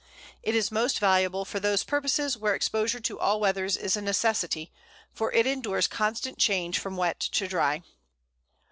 It is most valuable for those purposes where exposure to all weathers is a necessity, for it endures constant change from wet to dry.